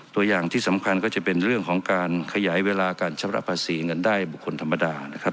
ตัวอย่างที่สำคัญก็จะเป็นเรื่องของการขยายเวลาการชำระภาษีเงินได้บุคคลธรรมดานะครับ